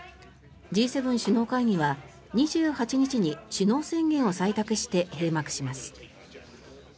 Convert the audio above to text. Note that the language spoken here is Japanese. Ｇ７首脳会議は２８日に首脳宣言を採択して閉幕します。